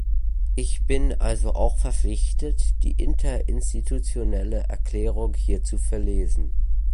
Ich bin also auch verpflichtet, die interinstitutionelle Erklärung hier zu verlesen.